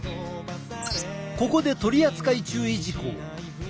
ここで取扱注意事項！